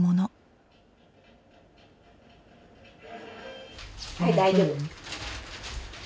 はい大丈夫。